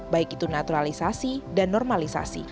baik itu naturalisasi dan normalisasi